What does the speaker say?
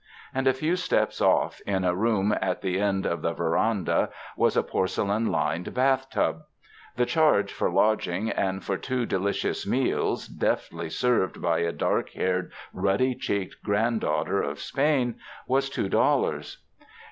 And a few steps off in a room at the end of the veranda was a porcelain lined bathtub. The charge for lodging and for two delicious meals, deftly served by a dark haired, ruddy cheeked granddaughter of Spain, was two dollars.